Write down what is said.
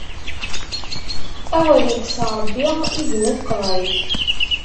Awer ikkes Ṛebbi izem i teqḍiɛt!